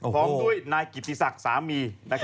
พร้อมด้วยนายกิติศักดิ์สามี